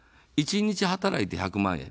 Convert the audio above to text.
１日働いて１００万円。